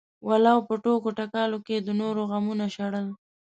ولو په ټوکو ټکالو کې د نورو غمونه شړل.